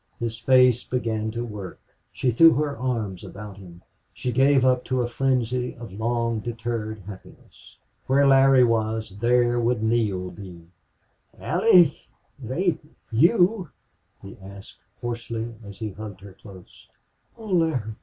His face began to work. She threw her arms about him she gave up to a frenzy of long deferred happiness. Where Larry was there would Neale be. "Allie it ain't you?" he asked, hoarsely, as he hugged her close.